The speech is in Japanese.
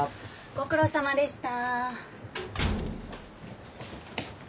ご苦労さまでした。